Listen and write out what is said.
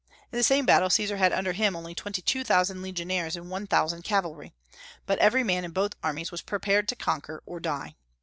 In the same battle Caesar had under him only twenty two thousand legionaries and one thousand cavalry. But every man in both armies was prepared to conquer or die.